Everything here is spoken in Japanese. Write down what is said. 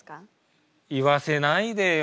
言わせないでよ。